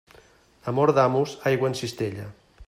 Amor d'amos, aigua en cistella.